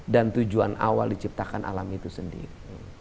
dan tujuan awal diciptakan alam itu sendiri